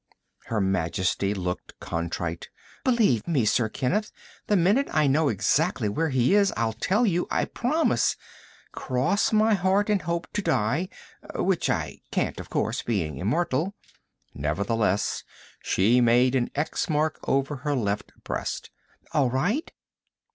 Her Majesty looked contrite. "Believe me, Sir Kenneth, the minute I know exactly where he is, I'll tell you. I promise. Cross my heart and hope to die which I can't, of course, being immortal." Nevertheless, she made an X mark over her left breast. "All right?"